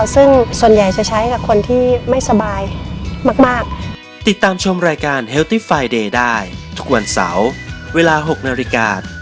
ซึ่งส่วนใหญ่จะใช้กับคนที่ไม่สบายมาก